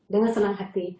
dengan senang hati